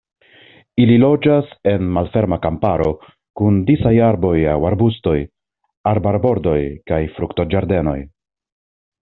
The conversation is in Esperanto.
Ili loĝas en malferma kamparo kun disaj arboj aŭ arbustoj, arbarbordoj kaj fruktoĝardenoj.